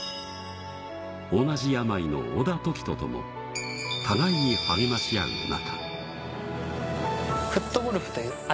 同じ病の小田凱人とも、互いに励まし合う仲。